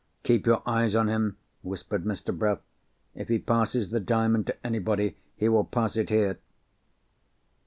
"Keep your eye on him," whispered Mr. Bruff. "If he passes the Diamond to anybody, he will pass it here."